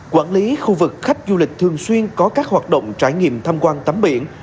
quản lý khu vực khách du lịch thường xuyên có các hoạt động trải nghiệm tham quan tắm biển